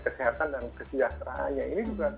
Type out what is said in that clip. kesehatan dan kesejahteraannya ini juga